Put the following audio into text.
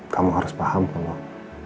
kamu harus paham kalau